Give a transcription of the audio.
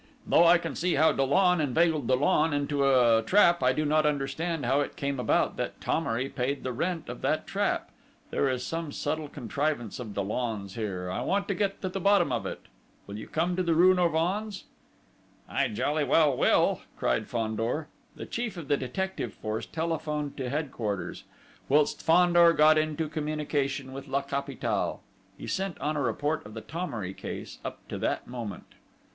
Though I can see how Dollon inveigled Dollon into a trap, I do not understand how it came about that Thomery paid the rent of that trap. There is some subtle contrivance of Dollon's here; I want to get to the bottom of it.... Will you come to rue Norvins?" "I jolly well will!" cried Fandor. The chief of the detective force telephoned to Headquarters, whilst Fandor got into communication with La Capitale. He sent on a report of the Thomery case up to that moment.